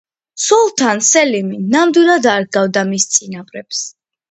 სულთან სელიმი ნამდვილად არ ჰგავდა მის წინაპრებს.